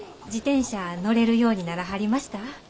自転車乗れるようにならはりました？